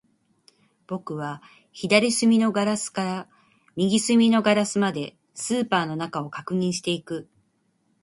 僕は左端のガラスから右端のガラスまで、スーパーの中を確認していく